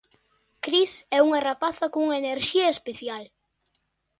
Cris é unha rapaza cunha enerxía especial.